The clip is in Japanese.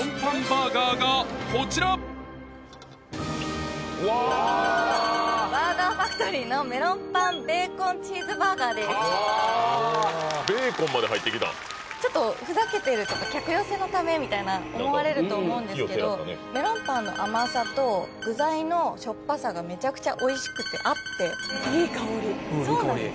バーガーファクトリーのうわベーコンまで入ってきたちょっとふざけてるとか客寄せのためみたいな思われると思うんですけどメロンパンの甘さと具材のしょっぱさがめちゃくちゃ美味しくて合っていい香りそうなんです